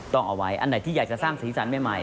ต้องเอาไว้อันไหนที่อยากจะสร้างสีสันใหม่